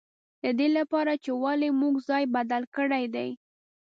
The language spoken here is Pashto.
د دې له پاره چې ولې موږ ځای بدل کړی دی.